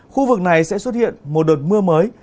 khu vực này sẽ xuất hiện một đợt mưa mới